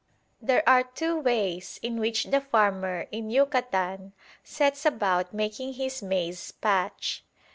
There are two ways in which the farmer in Yucatan sets about making his maize patch.